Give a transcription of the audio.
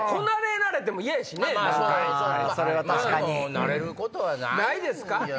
慣れることはないんじゃ。